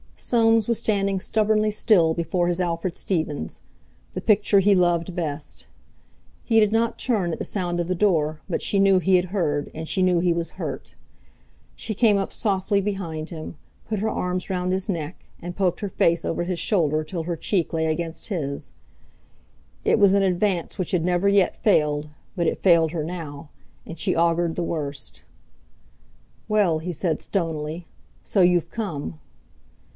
Soames was standing stubbornly still before his Alfred Stevens—the picture he loved best. He did not turn at the sound of the door, but she knew he had heard, and she knew he was hurt. She came up softly behind him, put her arms round his neck, and poked her face over his shoulder till her cheek lay against his. It was an advance which had never yet failed, but it failed her now, and she augured the worst. "Well," he said stonily, "so you've come!"